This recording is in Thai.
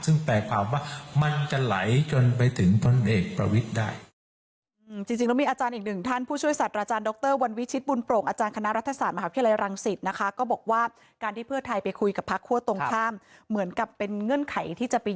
ซึ่งแปลความว่ามันจะไหลจนไปถึงพลเอกประวิทย์ได้